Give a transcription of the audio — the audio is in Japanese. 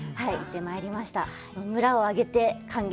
宇検村へ行ってまいりました。